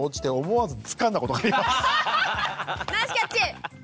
ナイスキャッチ！